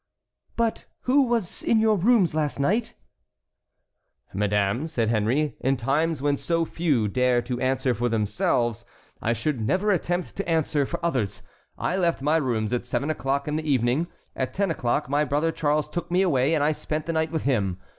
"But who was in your rooms last night?" "Madame," said Henry, "in times when so few dare to answer for themselves, I should never attempt to answer for others. I left my rooms at seven o'clock in the evening, at ten o'clock my brother Charles took me away, and I spent the night with him.